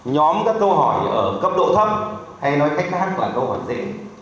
nhóm các câu hỏi ở cấp độ thấp hay nói cách khác của các câu hỏi dễ